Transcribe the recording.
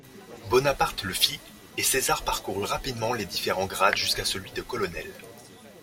Bonaparte le fit et César parcourut rapidement les différents grades jusqu'à celui de colonel.